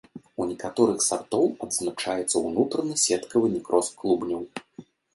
У некаторых сартоў адзначаецца ўнутраны сеткавы некроз клубняў.